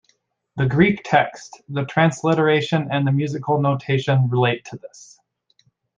The Greek text, the transliteration and the musical notation relate to this.